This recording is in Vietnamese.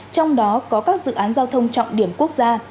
trong đó có các dự án giao thông trọng điểm quốc gia